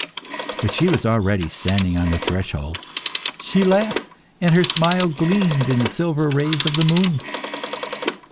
But she was already standing on the threshold. She laughed, and her smile gleamed in the silver rays of the moon.